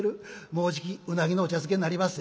もうじきうなぎのお茶漬けになりまっせ」。